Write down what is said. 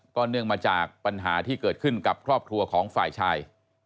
เนื่องมาจากปัญหาที่เกิดขึ้นกับครอบครัวของฝ่ายชาย